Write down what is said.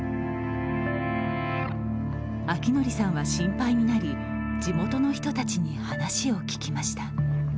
晃徳さんは心配になり地元の人たちに話を聞きました。